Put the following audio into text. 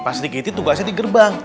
pak serigiti tugasnya di gerbang